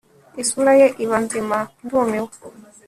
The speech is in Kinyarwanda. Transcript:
isura ye iba nzima, ndumiwe